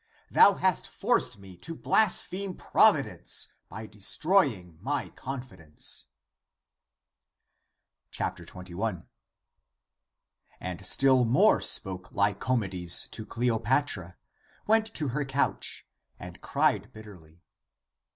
Thou hast forced me to blaspheme Providence by destroying my con fidence." 21. And still more spoke Lycomedes to Cleo patra, went to her couch, and cried bitterly.